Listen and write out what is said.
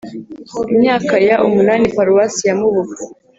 imyaka ya umunani paruwasi ya mubuga